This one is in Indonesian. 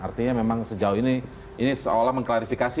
artinya memang sejauh ini ini seolah mengklarifikasi